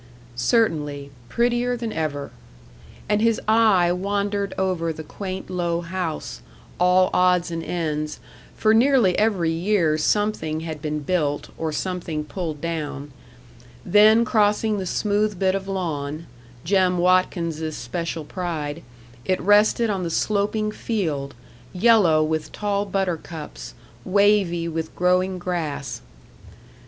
"Certainly, prettier than ever;" and his eye wandered over the quaint, low house, all odds and ends for nearly every year something had been built, or something pulled down; then crossing the smooth bit of lawn, Jem Watkins's special pride, it rested on the sloping field, yellow with tall buttercups, wavy with growing grass.